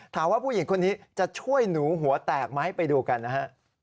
ถามว่าผู้หญิงคนนี้จะช่วยหนูหัวแตกไหมไปดูกันนะฮะ